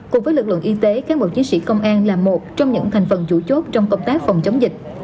cùng với lực lượng y tế cán bộ chiến sĩ công an là một trong những thành phần chủ chốt trong công tác phòng chống dịch